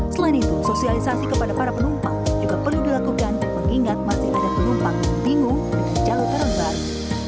selain itu sosialisasi kepada para penumpang juga perlu dilakukan mengingat masih ada penumpang yang bingung dengan jalur terang baru